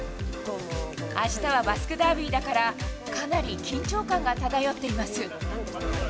あしたはバスク・ダービーだから、かなり緊張感が漂っています。